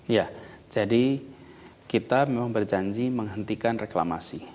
ya jadi kita memang berjanji menghentikan reklamasi